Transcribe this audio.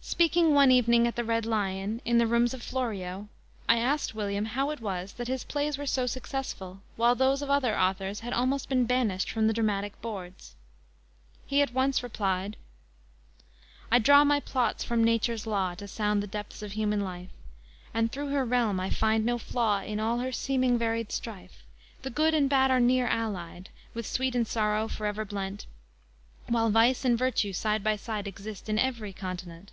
Speaking one evening at the Red Lion, in the rooms of Florio, I asked William how it was that his plays were so successful, while those of other authors had almost been banished from the dramatic boards. He at once replied: _I draw my plots from Nature's law To sound the depths of human life, And through her realm I find no flaw In all her seeming, varied strife; The good and bad are near allied; With sweet and sour forever blent, While vice and virtue side by side Exist in every continent.